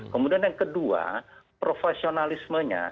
kemudian yang kedua profesionalismenya